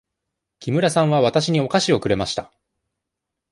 木村さんはわたしにお菓子をくれました。